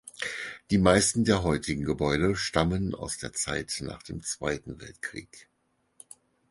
Die meisten der heutigen Gebäude stammen aus der Zeit nach dem Zweiten Weltkrieg.